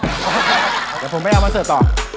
เดี๋ยวผมไปเอามาเสิร์ฟต่อ